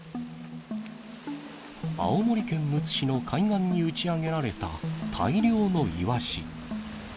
青森県むつ市の海岸に打ち上げられた大量のイワシ。